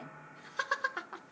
ハハハハハ！